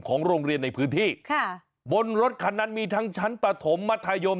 โรงเรียนในพื้นที่ค่ะบนรถคันนั้นมีทั้งชั้นปฐมมัธยม